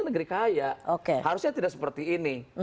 negeri kaya harusnya tidak seperti ini